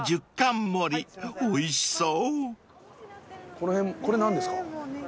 この辺これ何ですか？